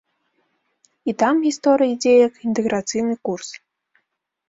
І там гісторыя ідзе як інтэграцыйны курс.